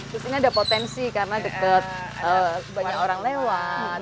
terus ini ada potensi karena deket banyak orang lewat